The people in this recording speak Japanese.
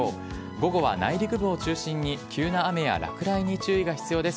午後は内陸部を中心に、急な雨や落雷に注意が必要です。